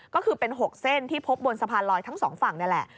ก็คือเป็น๖เส้นที่พบบนสะพานลอยทั้งสองฝั่งนี่แหละ